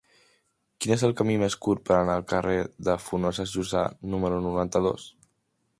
Quin és el camí més curt per anar al carrer de Funoses Llussà número noranta-dos?